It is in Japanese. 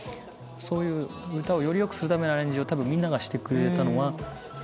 そういう歌をよりよくするためのアレンジをたぶんみんながしてくれたのは。